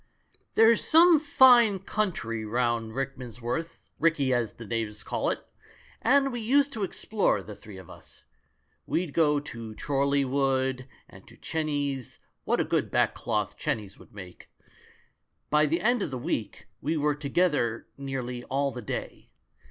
"There's some fine country round Rickmans worth — 'Ricky,' the natives call it — and we used to explore, the three of us. We'd go to Chorley Wood, and to Chenies — what a good back cloth Chenies would make! By the end of the week we were together nearly all the day.